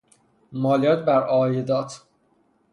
مالیات برعایدات